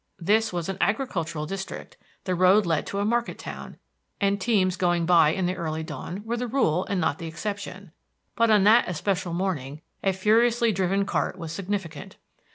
This was an agricultural district, the road led to a market town, and teams going by in the early dawn were the rule and not the exception; but on that especial morning a furiously driven cart was significant.